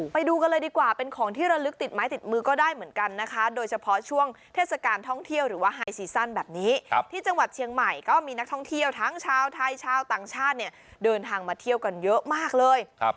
ไปดูกันเลยดีกว่าเป็นของที่ระลึกติดไม้ติดมือก็ได้เหมือนกันนะคะโดยเฉพาะช่วงเทศกาลท่องเที่ยวหรือว่าไฮซีซั่นแบบนี้ที่จังหวัดเชียงใหม่ก็มีนักท่องเที่ยวทั้งชาวไทยชาวต่างชาติเนี่ยเดินทางมาเที่ยวกันเยอะมากเลย